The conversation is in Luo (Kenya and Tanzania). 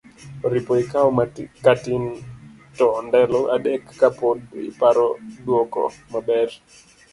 oripo ikaw katin to ndalo adek ka pod iparo dwoko maber,